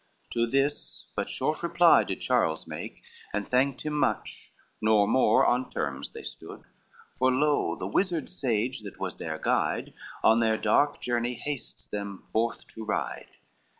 To this but short reply did Charles make, And thanked him much, nor more on terms they stood: For lo, the wizard sage that was their guide On their dark journey hastes them forth to ride.